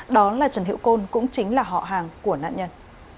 đó là trần hiệu côn cũng chính là họ hàng của nạn nhân